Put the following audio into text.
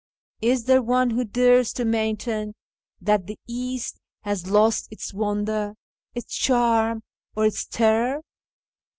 Is there one who dares to maintain that the East has lost its wonder, its charm, or its terror